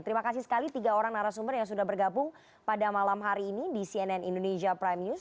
terima kasih sekali tiga orang narasumber yang sudah bergabung pada malam hari ini di cnn indonesia prime news